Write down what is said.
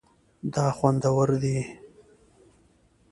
دا خوندور دی